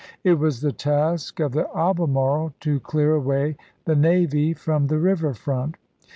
It was the task of the Albemarle to clear away the navy from the river front.